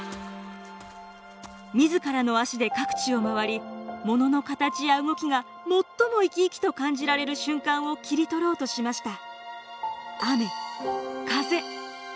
自らの足で各地を回りものの形や動きが最も生き生きと感じられる瞬間を切り取ろうとしました。